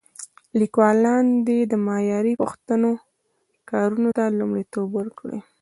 لیکوالان دې د معیاري پښتو کارونو ته لومړیتوب ورکړي.